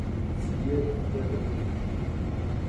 Stil im Schwergewicht.